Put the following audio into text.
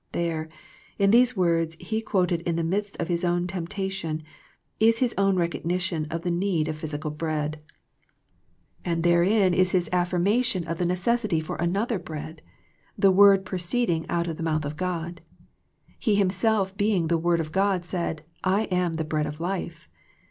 There, in these words He quoted in the midst of His own temptation, is His own recognition of the need of physical bread ; and 90 THE PEACTIOE OF PEAYEE therein is His affirmation of the necessity for another bread, the Word proceeding out of the mouth of God. He Himself being the Word of God said, " I am the bread of life."